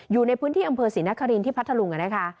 อยู่ในพื้นที่อำเภอศรีนครินที่พัทธลุงนะคะ